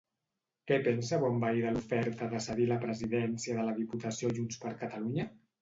Què pensa Bonvehí de l'oferta de cedir la presidència de la Diputació a JxCat?